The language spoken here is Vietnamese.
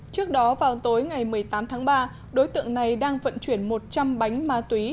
trước đó vào tối ngày một mươi tám tháng ba đối tượng này đang vận chuyển một trăm linh bánh ma túy